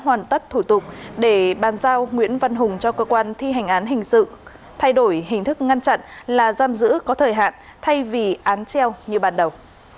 công an phường xuân hà đã hoàn tất thủ chức để bàn giao nguyễn văn hùng cho cơ quan thi hành án hình sự thay đổi hình thức ngăn chặn là giam giữ có thời hạn thay vì án treo như ban đầu